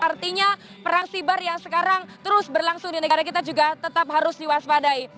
artinya perang siber yang sekarang terus berlangsung di negara kita juga tetap harus diwaspadai